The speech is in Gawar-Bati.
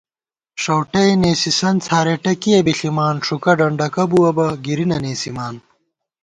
ݭؤٹئے نېسِسن څھارېٹہ کِیہ بی ݪِمان * ݭُوکہ ڈنڈَکہ بُوَہ بہ، گِری نہ نېسِمان